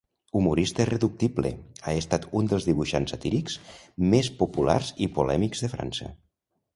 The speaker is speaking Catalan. Humorista irreductible, ha estat un dels dibuixants satírics més populars i polèmics de França.